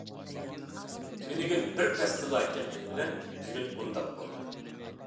تۈنۈگۈن بىر پەستىلا كەلگىنى بىلەن بۈگۈن ئۇنداق بولمىدى.